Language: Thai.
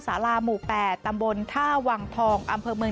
สาลาหมู่แป่ตำบลท่าหวังทองอำเพิ่ง